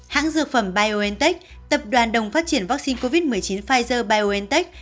hãng dược phẩm biontech tập đoàn đồng phát triển vaccine covid một mươi chín pfizer biontech